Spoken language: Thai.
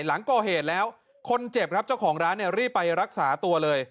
หลังก่อเหตุแล้วคนเจ็บครับเจ้าของร้านเนี่ยรีบไปรักษาตัวเลย